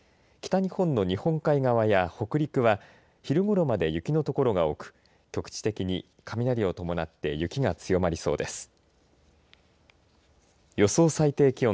北日本の日本海側や北陸は昼ごろまで雪の所が多く局地的に雷を伴って雪が強まりそうです。